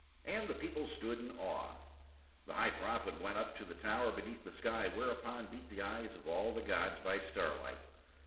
And the people stood in awe. The High Prophet went up to the Tower beneath the sky whereupon beat the eyes of all the gods by starlight.